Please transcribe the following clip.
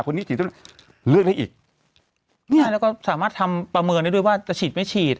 ฉีดต้องเลือกให้อีกเนี่ยแล้วก็สามารถทำประเมินได้ด้วยว่าจะฉีดไม่ฉีด